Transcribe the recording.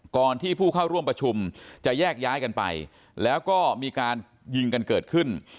ที่ผู้เข้าร่วมประชุมจะแยกย้ายกันไปแล้วก็มีการยิงกันเกิดขึ้น